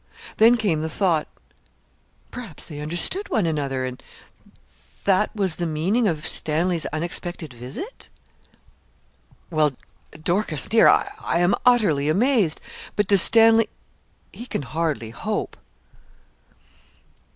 Then came the thought perhaps they understood one another, and that was the meaning of Stanley's unexpected visit? 'Well, Dorcas, dear, I am utterly amazed. But does Stanley he can hardly hope?'